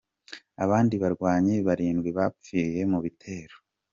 Abandi barwanyi barindwi bapfiriye mu bitero.